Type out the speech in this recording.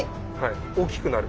大きくなる。